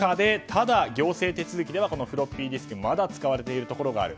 ただ、行政手続きではフロッピーディスクがまだ使われているところがある。